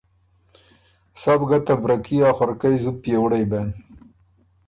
سَۀ بو ګه ته بره کي ا خؤرکئ زُت پئېوُړئ بېن